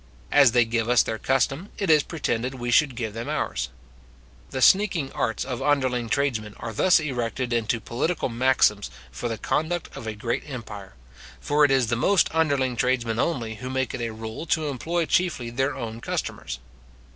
As they give us their custom, it is pretended we should give them ours. The sneaking arts of underling tradesmen are thus erected into political maxims for the conduct of a great empire; for it is the most underling tradesmen only who make it a rule to employ chiefly their own customers.